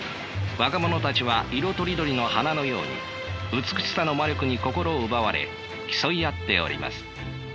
若者たちは色とりどりの花のように美しさの魔力に心奪われ競い合っております。